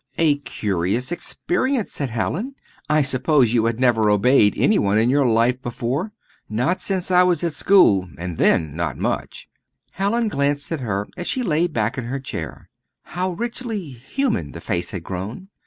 "A curious experience," said Hallin. "I suppose you had never obeyed any one in your life before?" "Not since I was at school and then not much!" Hallin glanced at her as she lay back in her chair. How richly human the face had grown!